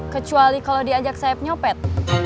kecuali kalau diajak sayap nyopet